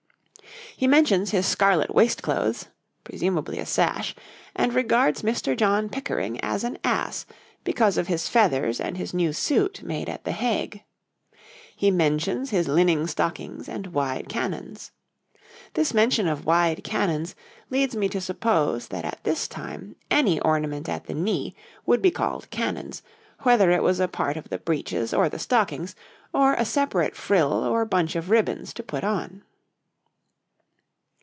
He mentions his scarlet waistclothes, presumably a sash, and regards Mr. John Pickering as an ass because of his feathers and his new suit made at the Hague. He mentions his linning stockings and wide cannons. This mention of wide cannons leads me to suppose that at this time any ornament at the knee would be called cannons, whether it was a part of the breeches or the stockings, or a separate frill or bunch of ribbons to put on.